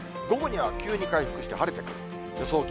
午後には急に回復して晴れてきます。